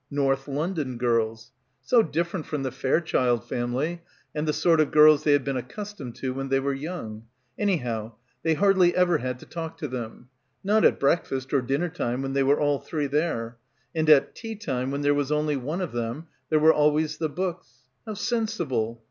North London girls. So different from the Fairchild family and the sort of girls they had been accus tomed to when they were young. Anyhow, they hardly ever had to talk to them. Not at break fast or dinner time when they were all three there; and at tea time when there was only one of them, there were always the books. How sensible.